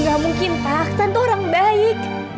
gak mungkin pak aksan tuh orang baik